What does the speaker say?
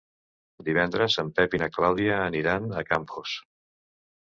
Divendres en Pep i na Clàudia aniran a Campos.